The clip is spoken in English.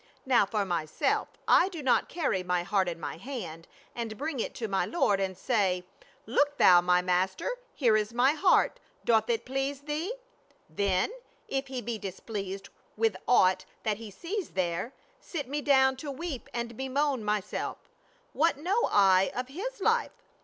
Now for myself I do not carry my heart in my hand, and bring it to my lord and say, ' Look thou, my master, here is my heart, doth it please thee ?' Then, if he be displeased with aught that he sees there, sit me down to weep and bemoan myself What know I of his life